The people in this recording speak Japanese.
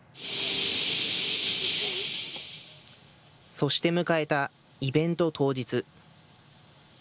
そして迎えた、イベント当日。